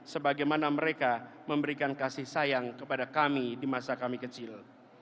sebagaimana mereka memberikan kasih sayang kepada kami di masa kami kecil